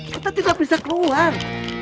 kita tidak bisa keluar